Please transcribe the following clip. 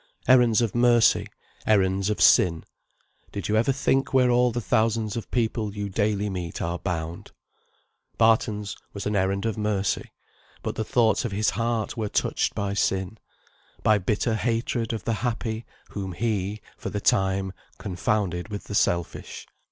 Errands of mercy errands of sin did you ever think where all the thousands of people you daily meet are bound? Barton's was an errand of mercy; but the thoughts of his heart were touched by sin, by bitter hatred of the happy, whom he, for the time, confounded with the selfish.